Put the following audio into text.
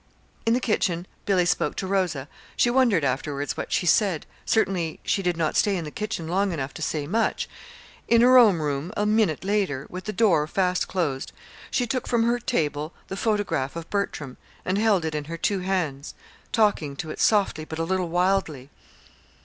In the kitchen Billy spoke to Rosa she wondered afterwards what she said. Certainly she did not stay in the kitchen long enough to say much. In her own room a minute later, with the door fast closed, she took from her table the photograph of Bertram and held it in her two hands, talking to it softly, but a little wildly.